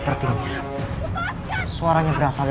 berbunuh orang ringan ousta kita